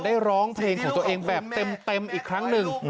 ร้องเพลงของตัวเองแบบเต็มอีกครั้งหนึ่ง